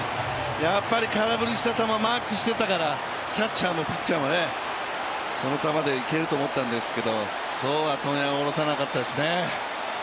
やっぱり空振りした球マークしてたからキャッチャーもピッチャーもその球でいけると思ったんですけど、そうは問屋が卸さなかったですね。